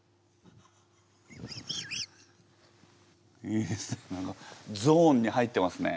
いいですね